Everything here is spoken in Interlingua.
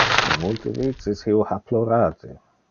E multe vices io ha plorate.